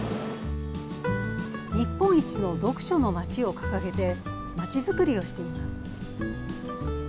日本一の読書のまちを掲げてまちづくりをしています。